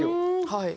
はい。